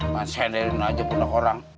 mas haji dari mana aja bunuh orang